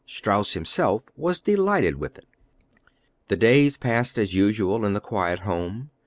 Strauss himself was delighted with it. The days passed as usual in the quiet home.